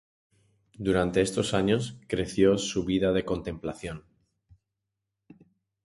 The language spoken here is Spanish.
Durante estos años, creció su vida de contemplación.